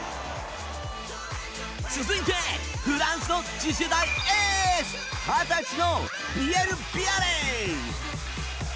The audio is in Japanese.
続いて、フランスの次世代エース２０歳のビエルビアレ。